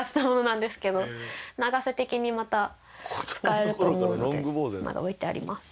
長さ的にまた使えると思うのでまだ置いてあります。